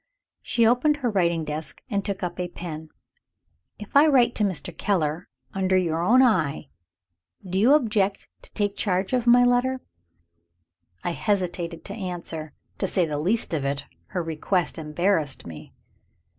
She opened her writing desk and took up a pen. "If I write to Mr. Keller under your own eye, do you object to take charge of my letter?" I hesitated how to answer. To say the least of it, her request embarrassed me.